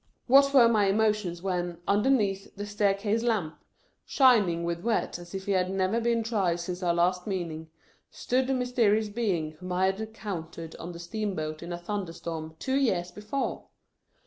What were my. emotions when, underneath the staircase lamp, shining with wet as if he had never been dry since our last meeting, stood the mysterious Being whom I had encountered on the steam boat in a thunder storm, two years before